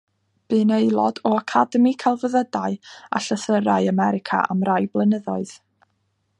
Bu'n aelod o Academi Celfyddydau a Llythyrau America am rai blynyddoedd.